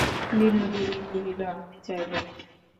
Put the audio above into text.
বিনোদিনী কহিল, আমি যাইব না।